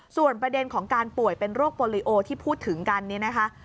ส่วนประเด็นของการป่วยเป็นโรคโปรลิโอที่พูดถึงกันเนี่ยนะคะ